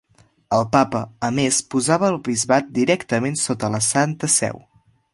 El papa a més posava el bisbat directament sota la Santa Seu.